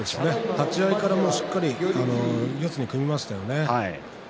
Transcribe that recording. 立ち合いからしっかり四つに組みましたよね。